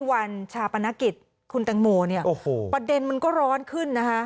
วันชาปนกิจคุณแตงโมเนี่ยโอ้โหประเด็นมันก็ร้อนขึ้นนะคะ